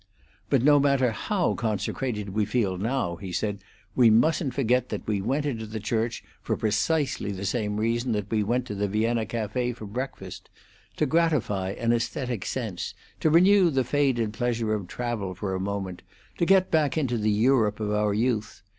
"But no matter how consecrated we feel now," he said, "we mustn't forget that we went into the church for precisely the same reason that we went to the Vienna Cafe for breakfast to gratify an aesthetic sense, to renew the faded pleasure of travel for a moment, to get back into the Europe of our youth.